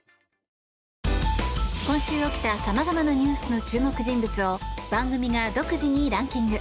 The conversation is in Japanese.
今週起きた様々なニュースの注目人物を番組が独自にランキング。